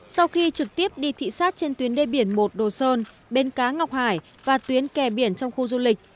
sau khi trực tiếp đi thị xát trên tuyến đê biển một đồ sơn bến cá ngọc hải và tuyến kè biển trong khu du lịch